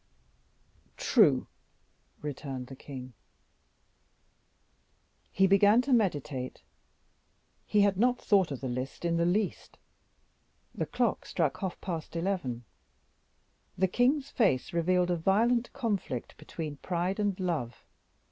"True," returned the king; and he began to meditate; he had not thought of the list in the least. The clock struck half past eleven. The king's face revealed a violent conflict between pride and love.